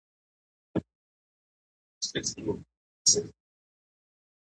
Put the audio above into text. علامه حبیبي چا روایت نقل کړی؟